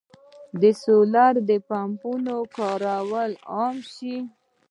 د سولر پمپونو کارول عام شوي.